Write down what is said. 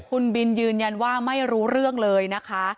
คุณบินยืนยันว่าไม่รู้เรื่องเลยนะคะ